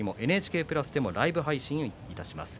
ＮＨＫプラスでもライブ配信します。